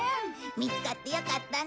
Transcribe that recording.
見つかってよかったね。